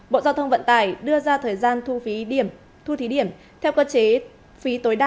bộ giao thông vật tải đưa ra thời gian thu thí điểm theo cơ chế phí tối đa